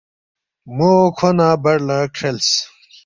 موکھو نہ بر لہ کھریلس